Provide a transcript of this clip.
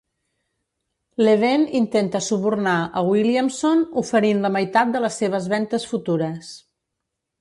Levene intenta subornar a Williamson, oferint la meitat de les seves ventes futures.